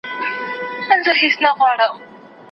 کېدای سي دغه څېړنه له علمي اصولو وتلي وي.